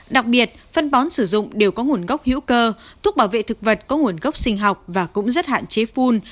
đặc biệt phân bón sử dụng đều có nguồn gốc hữu cơ thuốc bảo vệ thực vật có nguồn gốc sinh học và cũng rất hạn chế phun